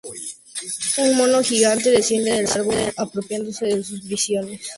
Un mono gigante desciende del árbol apropiándose de sus provisiones.